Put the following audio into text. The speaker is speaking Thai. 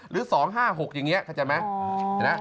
หรือ๒๕๖อย่างนี้เข้าใจไหม